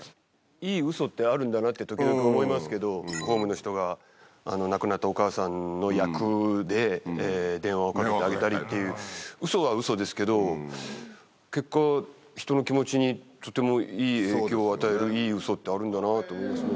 いいうそってあるんだなって、時々思いますけど、ホームの人が亡くなったお母さんの役で電話をかけてあげたりっていう、うそはうそですけど、結果、人の気持ちにとてもいい影響を与える、いいうそってあるんだなと思いますね。